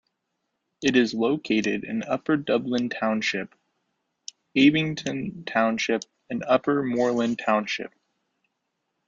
It is located in Upper Dublin Township, Abington Township and Upper Moreland Township.